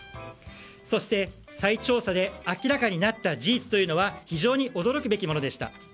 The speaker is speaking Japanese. そして、再調査で明らかになった事実というのは非常に驚くべきものでした。